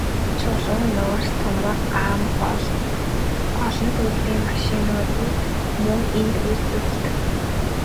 Чулуун нүүрс, төмөр, ган болд, олон төрлийн машинуудыг мөн энд үйлдвэрлэдэг.